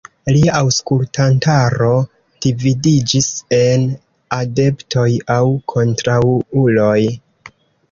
Lia aŭskultantaro dividiĝis en adeptoj aŭ kontraŭuloj.